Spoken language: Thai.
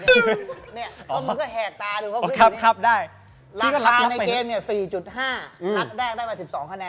เนี่ยเขามึงก็แหกตาดูเขาขึ้นอยู่นี่ราคาในเกม๔๕คันได้มา๑๒คะแนน